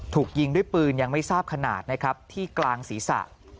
ถูกยิงด้วยปืนยังไม่ทราบขนาดนะครับที่กลางศีรษะ